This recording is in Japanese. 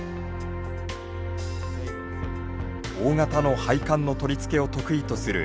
大型の配管の取り付けを得意とする江上さん。